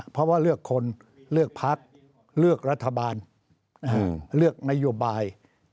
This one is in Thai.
เพราะว่าเลือกคนเลือกพักเลือกรัฐบาลเลือกนโยบาย